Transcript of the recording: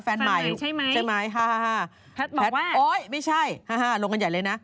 แพทย์บอกว่าโอ๊ยไม่ใช่ลงกันใหญ่เลยนะ